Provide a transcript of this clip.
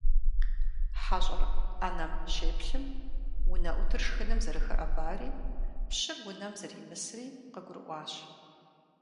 ХьэщӀэр Ӏэнэм щеплъым, унэӀутыр шхыным зэрыхэӀэбари пщыр унэм зэримысри къыгурыӀуащ.